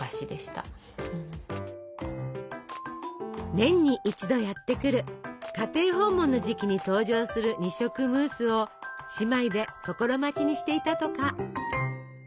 年に一度やってくる家庭訪問の時期に登場する二色ムースを姉妹で心待ちにしていたとか。